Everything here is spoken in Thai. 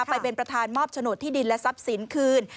ไปเป็นประธานมอบโฉนดที่ดินและทรัพย์สินคืน